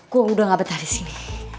gue sudah tidak betah disini